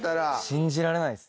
信じられないです。